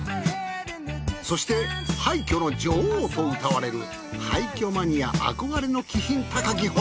そして廃墟の女王とうたわれる廃墟マニア憧れの気品高きホテル。